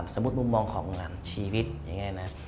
สมมุติมุมมองของหลังชีวิตอย่างนี้นะ